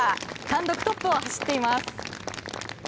単独トップを走っています。